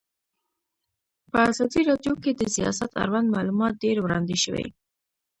په ازادي راډیو کې د سیاست اړوند معلومات ډېر وړاندې شوي.